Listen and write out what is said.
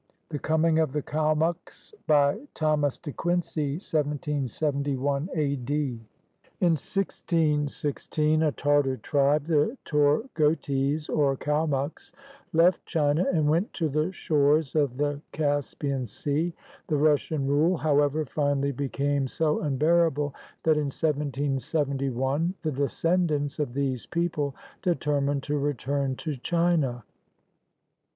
THE COMING OF THE KALMUCKS BY THOMAS DE QUINCEY [1771 A. D.] [In 1616, a Tartar tribe, the Torgotes, or Kalmucks, left China and went to the shores of the Caspian Sea. The Russian rule, however, finally became so unbearable that in 1 77 1 the descendants of these people determined to re turn to China.